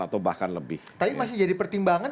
atau bahkan lebih tapi masih jadi pertimbangan